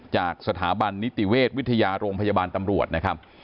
จากสถาบันนิติเวชวิทยาโรงพยาบาลตำรวจนะครับ